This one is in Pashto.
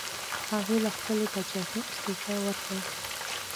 هغه له خپلې پاچاهۍ استعفا وکړه.